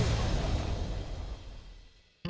โอ้โห